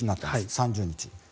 ３０日。